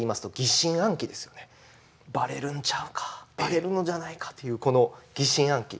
「バレるんちゃうかバレるのじゃないか」というこの疑心暗鬼。